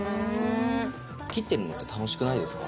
切ってるのって楽しくないですか？